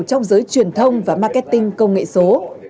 trong giới truyền thông và marketing công nghệ số